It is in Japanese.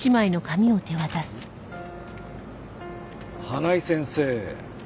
「花井先生へ」